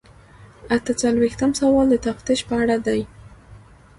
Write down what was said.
اته څلویښتم سوال د تفتیش په اړه دی.